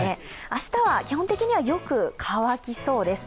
明日は基本的には、よく乾きそうです。